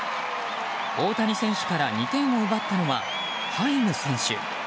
大谷選手から２点を奪ったのはハイム選手。